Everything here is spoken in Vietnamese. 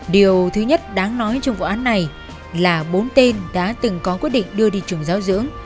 điều thứ nhất đáng nói trong vụ án này là bốn tên đã từng có quyết định đưa đi trường giáo dưỡng